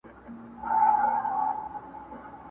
سل او شپېته کلونه!!